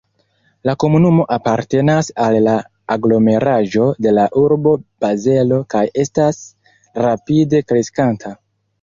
La komunumo apartenas al la aglomeraĵo de la urbo Bazelo kaj estas rapide kreskanta.